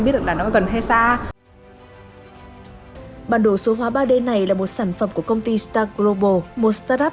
biết được là nó gần hay xa bản đồ số hóa ba d này là một sản phẩm của công ty star global một start up